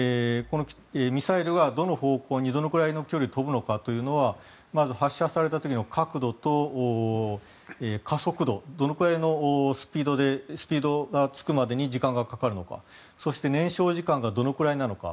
ミサイルがどの方向にどのくらいの距離飛ぶのかというのはまず、発射された時の角度と加速度スピードがつくまでにどのくらい時間がかかるのかそして、燃焼時間がどのくらいなのか。